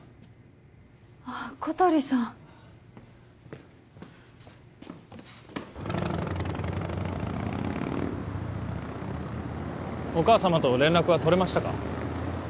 ああ小鳥さんお母様と連絡は取れましたか？